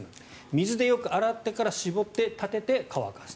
水でよく洗ってから絞って立てて乾かす。